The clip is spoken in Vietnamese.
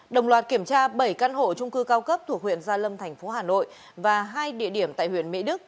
đồng loạt kiểm tra bảy căn hộ trung cư cao cấp thuộc huyện gia lâm thành phố hà nội và hai địa điểm tại huyện mỹ đức